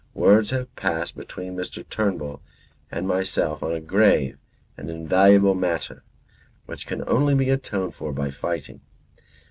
Words have passed between Mr. Turnbull and myself on a grave and invaluable matter, which can only be atoned for by fighting.